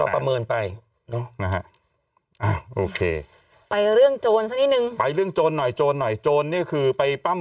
ประเมินไปไปเรื่องโจรนะไปเรื่องโจรหน่อยโจรหน่อยโจรเหนี่ยคือไปปั้ม